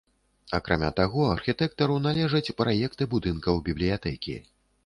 Акрамя таго, архітэктару належаць праекты будынкаў бібліятэкі.